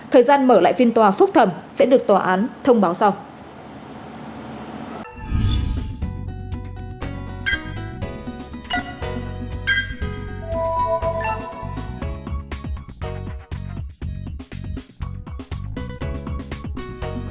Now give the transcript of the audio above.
thời gian mở lại phiên tòa phúc thẩm sẽ được tòa án thông báo sau